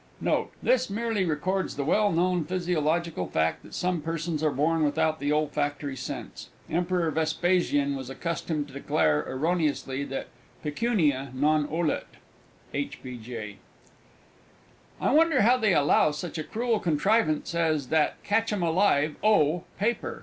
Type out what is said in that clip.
Note. This merely records the well known physiological fact that some persons are born without the olfactory sense. Emperor Vespasian was accustomed to declare (erroneously) that "pecunia non olet." H. B. J. "I wonder they allow such a cruel contrivance as that 'Catch 'em alive, oh!' paper!"